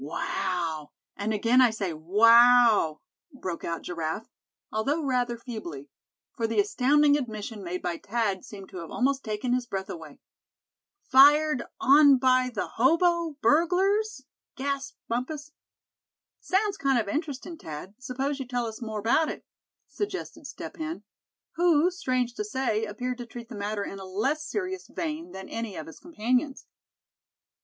"Wow! and again I say, wow!" broke out Giraffe, although rather feebly; for the astounding admission made by Thad seemed to have almost taken his breath away. "Fired—on—by—the—hobo burglars?" gasped Bumpus. "Sounds kind of interestin', Thad; s'pose you tell us more about it?" suggested Step Hen; who, strange to say, appeared to treat the matter in a less serious vein than any of his companions.